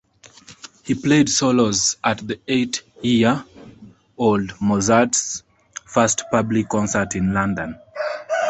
He played solos at the eight-year-old Mozart's first public concert in London.